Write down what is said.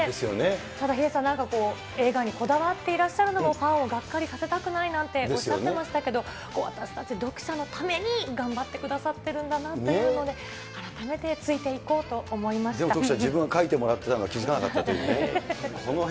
ただヒデさん、なんか、映画にこだわっていらっしゃるのも、ファンをがっかりさせたくないなんておっしゃってましたけど、私たち、読者のために頑張ってくださってるんだなっていうので、でも徳ちゃん、自分は描いてもらってたの気付かなかったというね。